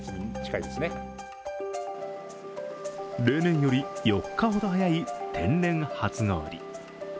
例年より４日ほど早い天然初氷。